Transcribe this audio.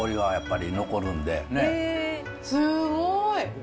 すごい！